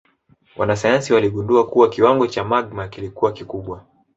Wanasayansi waligundua kuwa kiwango cha magma kilikuwa kikubwa